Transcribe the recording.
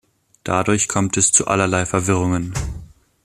Dadurch kommt es zu allerlei Verwirrungen.